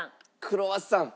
クロワッサン。